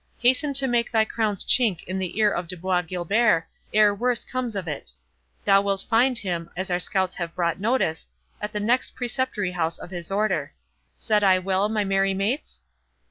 —Hasten to make thy crowns chink in the ear of De Bois Guilbert, ere worse comes of it. Thou wilt find him, as our scouts have brought notice, at the next Preceptory house of his Order.—Said I well, my merry mates?"